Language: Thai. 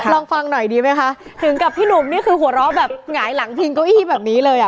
ลองฟังหน่อยดีไหมคะถึงกับพี่หนุ่มนี่คือหัวเราะแบบหงายหลังพิงเก้าอี้แบบนี้เลยอ่ะ